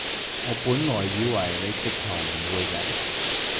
我本來以為你直頭唔會嚟